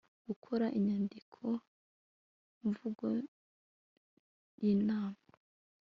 gukora inyandiko mvugo y inama